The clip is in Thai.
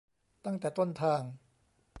ตั้งแต่ต้นทาง